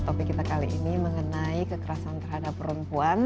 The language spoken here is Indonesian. topik kita kali ini mengenai kekerasan terhadap perempuan